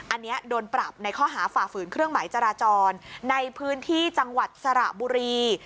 อันนี้โดนปรับในข้อหาฝ่าฝืนเครื่องหมายจราจรในพื้นที่จังหวัดสระบุรี